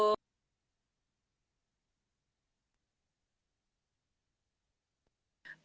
jadi sebenarnya untuk